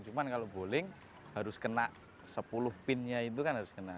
cuma kalau bowling harus kena sepuluh pinnya itu kan harus kena